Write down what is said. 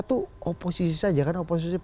deal dengan pihak